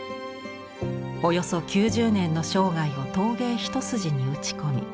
およそ９０年の生涯を陶芸一筋に打ち込み